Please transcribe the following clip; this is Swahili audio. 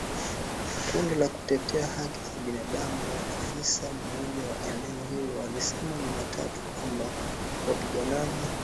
Kundi la kutetea haki za binadamu na afisa mmoja wa eneo hilo alisema Jumatatu kwamba wapiganaji